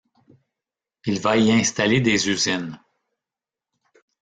Il va y installer des usines.